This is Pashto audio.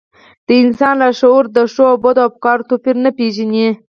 د انسان لاشعور د ښو او بدو افکارو توپير نه پېژني.